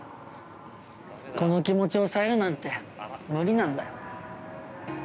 この気持ち抑えるなんて無理なんだ。